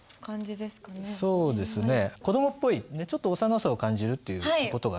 そうですね子どもっぽいちょっと幼さを感じるっていう事がね